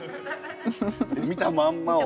見たまんまを。